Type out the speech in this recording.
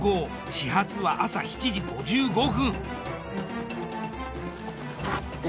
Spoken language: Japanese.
始発は朝７時５５分。